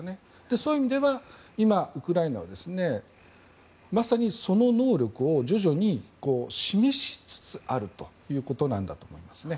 そういう意味では今、ウクライナはまさにその能力を徐々に示しつつあるということなんだと思いますね。